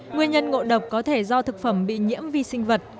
nguyên nhân ngộ độc có thể do thực phẩm bị nhiễm vi sinh vật